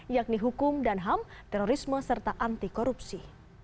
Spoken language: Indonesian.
yakni hukum dan ham terorisme serta anti korupsi